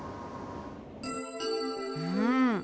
うん。